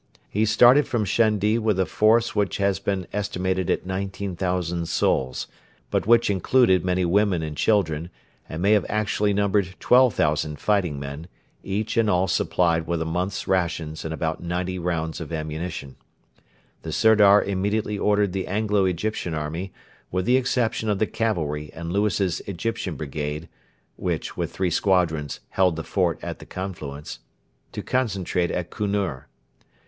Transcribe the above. He started from Shendi with a force which has been estimated at 19,000 souls, but which included many women and children, and may have actually numbered 12,000 fighting men, each and all supplied with a month's rations and about ninety rounds of ammunition. The Sirdar immediately ordered the Anglo Egyptian army, with the exception of the cavalry and Lewis's Egyptian brigade which, with three squadrons, held the fort at the confluence to concentrate at Kunur.